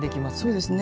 そうですね。